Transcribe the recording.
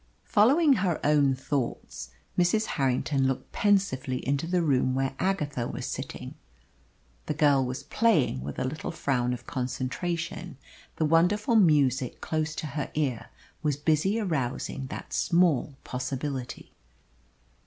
Following her own thoughts, Mrs. Harrington looked pensively into the room where Agatha was sitting. The girl was playing, with a little frown of concentration. The wonderful music close to her ear was busy arousing that small possibility.